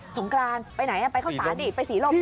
สงกรานไปไหนไปเข้าสถานีไปสีลมอีก